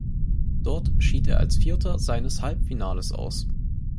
Dort schied er als Vierter seines Halbfinallaufs aus.